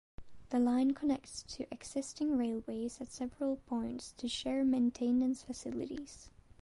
The line connects to existing railways at several points to share maintenance facilities.